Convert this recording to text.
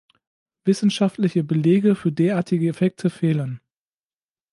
Wissenschaftliche Belege für derartige Effekte fehlen.